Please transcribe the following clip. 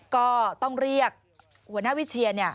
ก็ต้องเรียกหัวหน้าวิเชียน